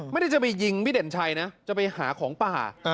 ไม่ได้จะไปยิงพี่เด่นชัยนะจะไปหาของป่า